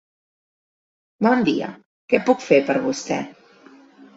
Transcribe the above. Bon dia, què puc fer per vostè.